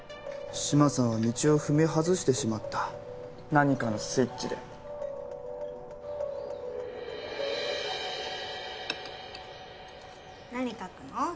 志摩さんは道を踏み外してしまった何かのスイッチで何描くの？